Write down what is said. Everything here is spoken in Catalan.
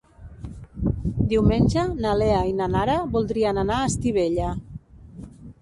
Diumenge na Lea i na Nara voldrien anar a Estivella.